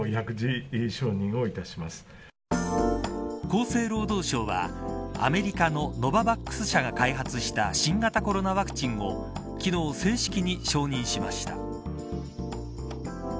厚生労働省はアメリカのノババックス社が開発した新型コロナワクチンを昨日正式に承認しました。